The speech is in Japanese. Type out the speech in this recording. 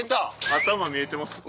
頭見えてますね。